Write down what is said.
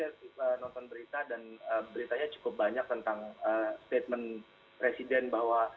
iya terus tiba tiba saya nonton berita dan beritanya cukup banyak tentang statement presiden bahwa